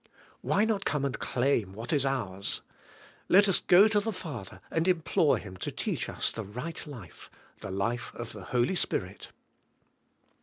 Why not come and claim what is ours? Let us go to the Father and implore Him to teach us the right life, the life of the Holy Spirit.